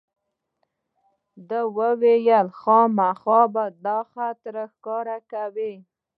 ده وویل خامخا به دا خط راته ښکاره کوې.